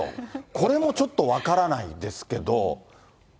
これもちょっと分からないですけど。